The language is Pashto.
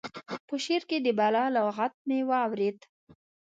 په شعر کې د بالا لغت مې واورېد.